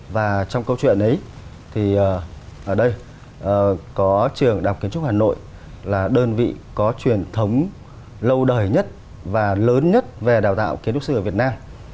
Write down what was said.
và trong câu chuyện ấy thì ở đây có trường đạp kiến trúc hà nội là đơn vị có truyền thống lâu đời nhất và lớn nhất về đào tạo kiến trúc sư ở việt nam